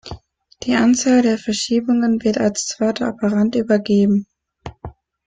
Die Anzahl der Verschiebungen wird als zweiter Operand übergeben.